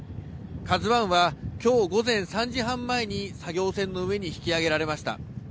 ＫＡＺＵＩは、きょう午前３時半前に作業船の上に引き揚げられました。